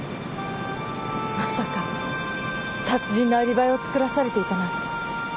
まさか殺人のアリバイをつくらされていたなんて。